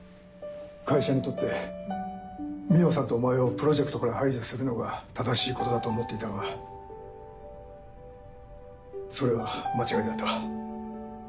会社にとって海音さんとお前をプロジェクトから排除するのが正しいことだと思っていたがそれは間違いだった。